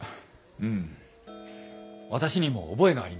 うん私にも覚えがあります。